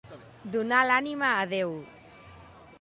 Donar l'ànima a Déu.